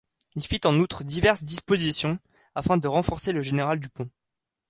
Il fit en outre diverses dispositions afin de renforcer le général Dupont.